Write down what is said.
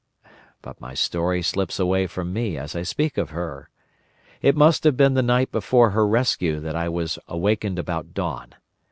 But my story slips away from me as I speak of her. It must have been the night before her rescue that I was awakened about dawn.